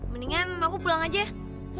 mendingan aku pulang aja ya